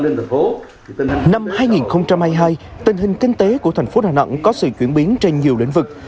năm hai nghìn hai mươi hai tình hình kinh tế của thành phố đà nẵng có sự chuyển biến trên nhiều lĩnh vực